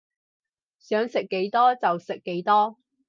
想食幾多就食幾多